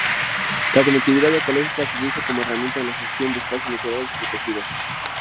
La conectividad ecológica se utiliza como herramienta en la gestión de espacios naturales protegidos.